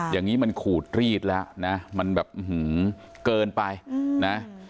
อย่างงี้มันขู่ตรีดละนะมันแบบอื้อหือเกินไปนะ